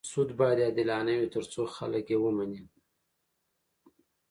سود باید عادلانه وي تر څو خلک یې ومني.